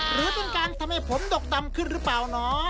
หรือเป็นการทำให้ผมดกดำขึ้นหรือเปล่าเนาะ